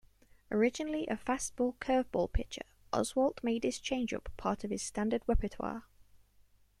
Originally a fastball-curveball pitcher, Oswalt made his changeup part of his standard repertoire.